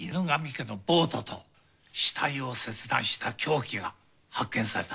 家のボートと死体を切断した凶器が発見された。